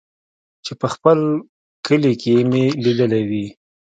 چې په خپل کلي کښې مې ليدلې وې.